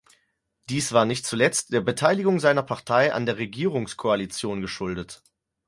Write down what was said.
Dies war nicht zuletzt der Beteiligung seiner Partei an der Regierungskoalition geschuldet.